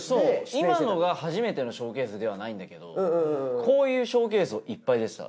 今のが初めてのショーケースではないんだけどこういうショーケースをいっぱい出てた。